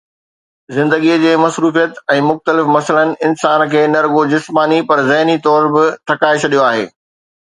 زندگيءَ جي مصروفيت ۽ مختلف مسئلن انسان کي نه رڳو جسماني پر ذهني طور به ٿڪائي ڇڏيو آهي